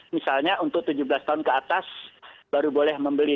misalnya untuk tujuh belas tahun ke atas baru boleh membeli